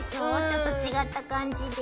ちょっと違った感じで。